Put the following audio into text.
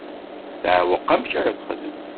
Teɛweq amek ara texdem.